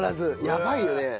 やばいよね。